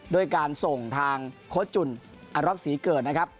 ด้วยการส่งทางโค้ชจุ่นอรักษีเกิดนะครับ